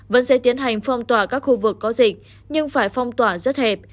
vẫn sẽ tiến hành phong tỏa các khu vực có dịch nhưng phải phong tỏa rất hẹp